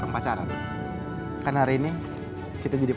pengen bku yang kita itu